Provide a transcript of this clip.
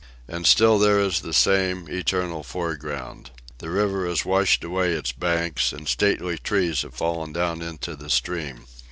And still there is the same, eternal foreground. The river has washed away its banks, and stately trees have fallen down into the stream.